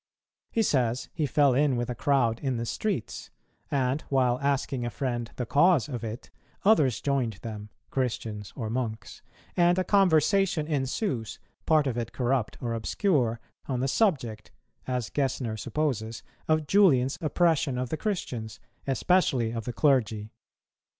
He says, he fell in with a crowd in the streets; and, while asking a friend the cause of it, others joined them (Christians or monks), and a conversation ensues, part of it corrupt or obscure, on the subject, as Gesner supposes, of Julian's oppression of the Christians, especially of the clergy.